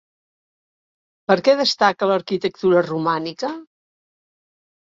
Per què destaca l'arquitectura romànica?